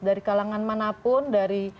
dari kalangan manapun dari